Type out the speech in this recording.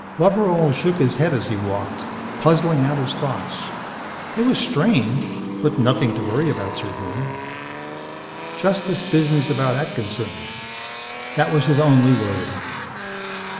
Loveral shook his head as he walked, puzzling out his thoughts. It was strange, but nothing to worry about certainly. Just this business about Atkinson. That was his only worry.